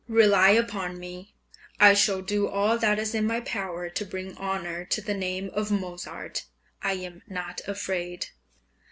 Rely upon me, I shall do all that is in my power to bring honour to the name of Mozart; I am not afraid.